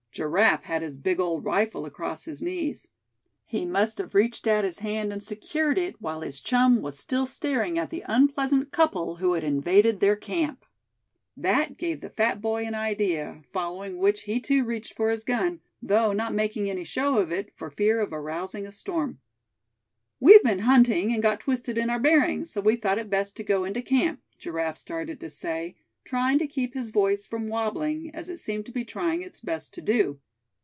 Giraffe had his big old rifle across his knees. He must have reached out his hand and secured it, while his chum was still staring at the unpleasant couple who had invaded their camp. That gave the fat boy an idea, following which he too reached for his gun, though not making any show of it, for fear of arousing a storm. "We've been hunting, and got twisted in our bearings; so we thought it best to go into camp," Giraffe started to say, trying to keep his voice from wabbling, as it seemed to be trying its best to do.